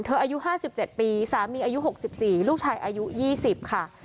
อายุ๕๗ปีสามีอายุ๖๔ลูกชายอายุ๒๐ค่ะ